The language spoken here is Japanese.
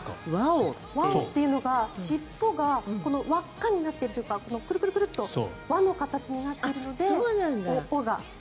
ワオっていうのが、尻尾が輪っかになっているというかくるくるっと輪の形になっているので尾が。